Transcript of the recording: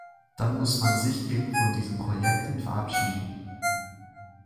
Dann muss man sich eben von diesen Projekten verabschieden.